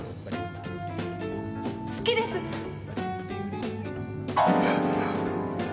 好きです！え。